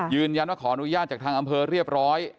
ยืนยันว่าขออนุญาตจากทางอำเภอเรียบร้อย